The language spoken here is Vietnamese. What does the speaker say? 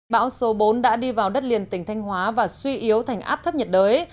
bão số bốn đã đi vào đất liền tỉnh thanh hóa và suy yếu thành áp thấp nhiệt đới